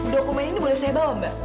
dokumen ini boleh saya bawa mbak